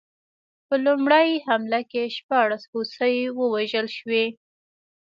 په لومړۍ حمله کې شپاړس هوسۍ ووژل شوې.